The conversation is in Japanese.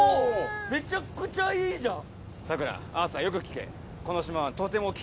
めちゃくちゃいいじゃん！